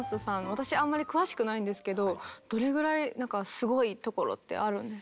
私あんまり詳しくないんですけどどれぐらいすごいところってあるんですか？